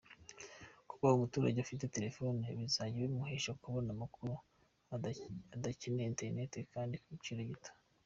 Kuba umuturage afite telefoni bizajya bimuhesha kubona amakuru adakeneye internet kandi ku giciro gito.